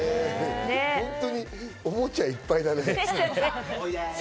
本当におもちゃがいっぱいだね。